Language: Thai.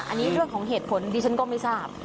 อันนี้เรื่องของเหตุผลดิฉันก็ไม่ทราบ